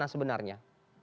apakah ini benarnya